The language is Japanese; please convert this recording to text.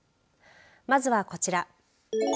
まずはこちら。